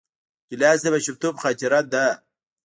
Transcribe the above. ګیلاس د ماشومتوب خاطره ده.